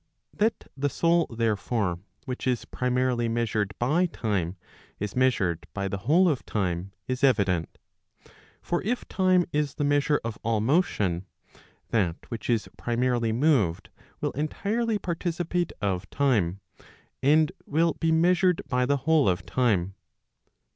That the soul, therefore, which is primarily measured by time, is measured by the whole of time, is evident. For if time is the measure of all motion, that which is primarily moved, will entirely participate of time, and will be measured by the whole of time.